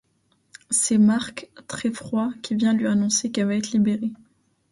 C'est Mark, très froid, qui vient lui annoncer qu'elle va être libérée.